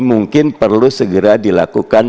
mungkin perlu segera dilakukan